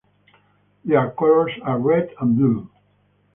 Their colors are red and blue.